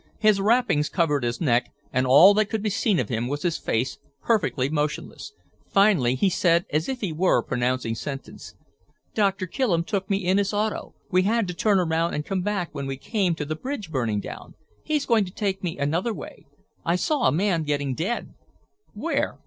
His wrappings covered his neck and all that could be seen of him was his face, perfectly motionless. Finally he said as if he were pronouncing sentence. "Doctor Killem took me in his auto. We had to turn around and come back when we came to the bridge burning down. He's going to take me another way. I saw a man getting dead." "Where?"